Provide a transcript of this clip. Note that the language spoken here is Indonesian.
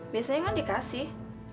biasanya kan dikasih